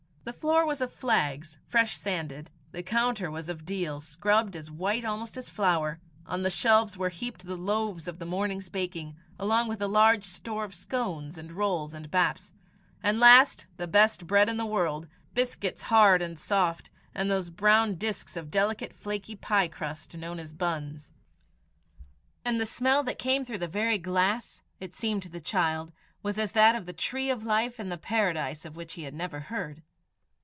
The floor was of flags, fresh sanded; the counter was of deal, scrubbed as white almost as flour; on the shelves were heaped the loaves of the morning's baking, along with a large store of scones and rolls and baps the last, the best bread in the world biscuits hard and soft, and those brown discs of delicate flaky piecrust, known as buns. And the smell that came through the very glass, it seemed to the child, was as that of the tree of life in the Paradise of which he had never heard.